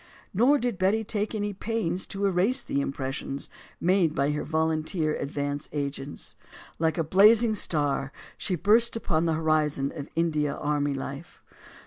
Nor did Betty take any pains to erase the impres sions made by her volunteer advance agents. Like a blazing star, she burst upon the horizon of India army li f e.